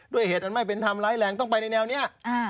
ด้วยเหตุมันไม่เป็นทำไรแหล่งต้องไปในแนวนี้